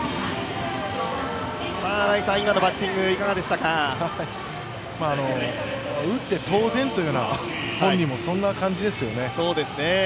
今のバッティング、いかがでしたか打って当然というような本人もそんな感じですね。